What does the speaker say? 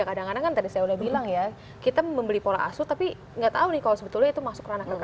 kadang kadang kan tadi saya udah bilang ya kita membeli pola asuh tapi nggak tahu nih kalau sebetulnya itu masuk ranah kekerasan